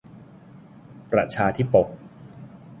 ประชาธิปก